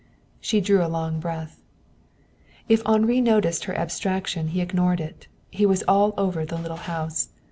She drew a long breath. If Henri noticed her abstraction he ignored it. He was all over the little house.